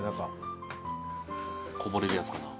こぼれるやつかな。